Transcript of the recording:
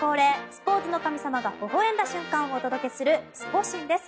スポーツの神様がほほ笑んだ瞬間をお届けするスポ神です。